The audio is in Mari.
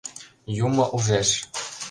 Юмо ужеш.